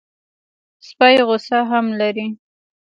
سپي غصه هم لري.